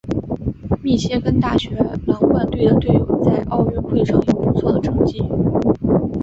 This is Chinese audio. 密歇根大学狼獾队的校友在奥运会上也有不错的成绩。